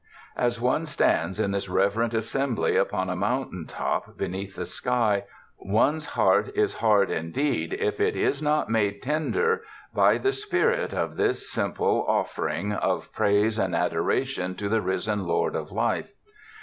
As one stands in this reverent assembly upon a mountain top beneath the sky, one's heart is hard indeed if it is not made tender by the spirit of this simple of 218 TOURIST TOWNS fering of praise aud adoration to the risen Lord of Life.